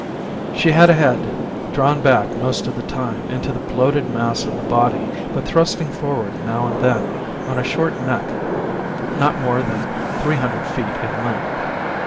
She had a head, drawn back most of the time into the bloated mass of the body but thrusting forward now and then on a short neck not more than three hundred feet in length.